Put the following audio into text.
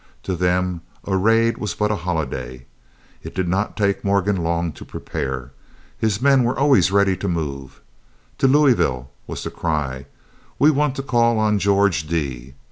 To them a raid was but a holiday. It did not take Morgan long to prepare. His men were always ready to move. "To Louisville," was the cry, "we want to call on George D.